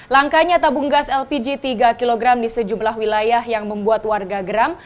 langkanya tabung gas lpg tiga kg di sejumlah wilayah yang membuat warga geram